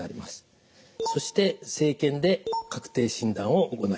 そして生検で確定診断を行います。